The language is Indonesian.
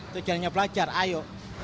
tujuannya belajar ayo